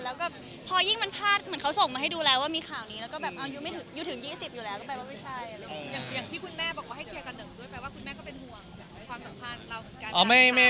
แล้วก็พอยิ่งมันพลาดเหมือนเขาส่งมาให้ดูแล้วว่ามีข่าวนี้